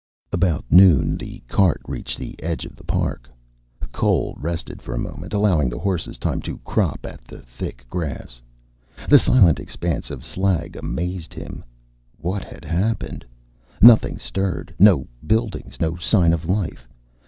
About noon the cart reached the edge of the park. Cole rested for a moment, allowing the horses time to crop at the thick grass. The silent expanse of slag amazed him. What had happened? Nothing stirred. No buildings, no sign of life.